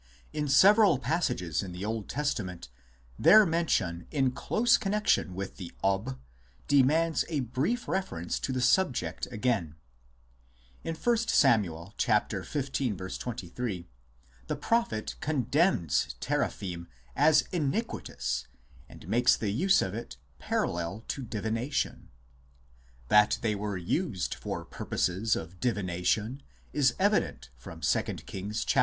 In several passages in the Old Testament their mention in close connexion with the Ob demands a brief reference to the subject again. In 1 Sam. xv. 23 the prophet condemns Teraphim as iniquitous and makes the use of it parallel to divination ; that they were used for pur poses of divination is evident from 2 Kings xxiii.